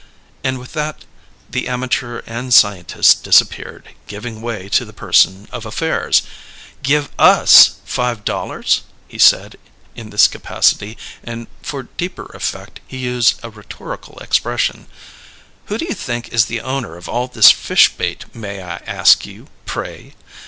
And with that the amateur and scientist disappeared, giving way to the person of affairs. "'Give us five dollars'?" he said, in this capacity, and for deeper effect he used a rhetorical expression: "Who do you think is the owner of all this fish bait, may I ask you, pray?"